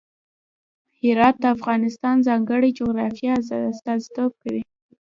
هرات د افغانستان د ځانګړي جغرافیه استازیتوب کوي.